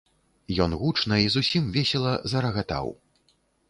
Ён гучна і зусім весела зарагатаў.